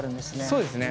そうですね。